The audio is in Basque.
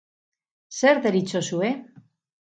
Zer deritzozue?